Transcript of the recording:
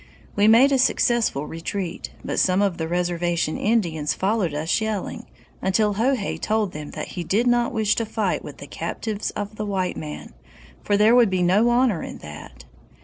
We made a successful retreat, but some of the reservation Indians followed us yelling, until Hohay told them that he did not wish to fight with the captives of the white man, for there would be no honor in that.